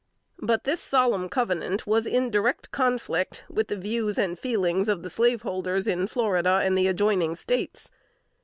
But this solemn covenant was in direct conflict with the views and feelings of the slaveholders in Florida and the adjoining States.